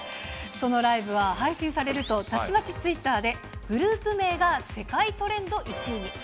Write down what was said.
そのライブは配信されると、たちまちツイッターでグループ名が世界トレンド１位に。